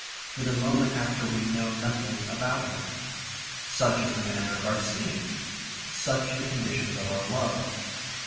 For the moment after we know nothing about him. Such is the manner of our seeing. Such the conditions of our love.